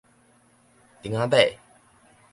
釘仔馬